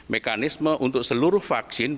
mekanisme untuk seluruh vaksin